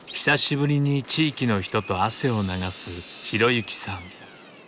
久しぶりに地域の人と汗を流す浩行さん。